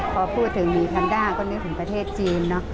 พอพูดถึงมีคันด้าก็นึกถึงประเทศจีน